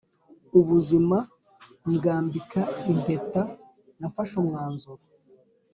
ubuzima mbwambika impeta, nafashe umwanzuro